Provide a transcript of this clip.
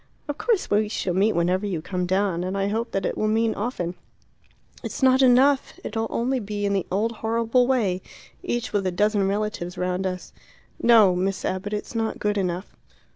"Of course we shall meet whenever you come down; and I hope that it will mean often." "It's not enough; it'll only be in the old horrible way, each with a dozen relatives round us. No, Miss Abbott; it's not good enough."